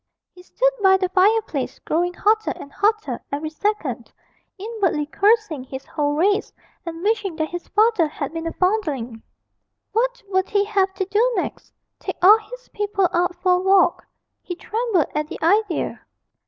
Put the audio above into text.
He stood by the fireplace, growing hotter and hotter every second, inwardly cursing his whole race, and wishing that his father had been a foundling. What would he have to do next? take all his people out for a walk. He trembled at the idea.